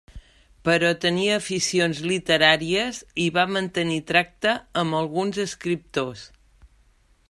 Però tenia aficions literàries i va mantenir tracte amb alguns escriptors.